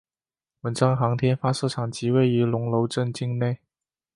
文昌航天发射场即位于龙楼镇境内。